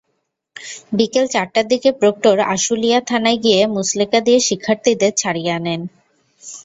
বিকেল চারটার দিকে প্রক্টর আশুলিয়া থানায় গিয়ে মুচলেকা দিয়ে শিক্ষার্থীদের ছাড়িয়ে আনেন।